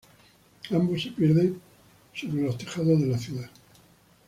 Ambos se pierden sobre los tejados de la ciudad.